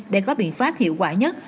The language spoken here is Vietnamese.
để có biện pháp hiệu quả nhất